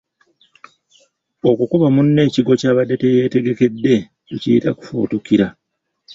Okukuba munno ekigwo kyabadde teyeetegekedde, tukiyita kufubutukira